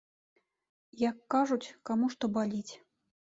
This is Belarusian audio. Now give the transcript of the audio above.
Як кажуць, каму што баліць.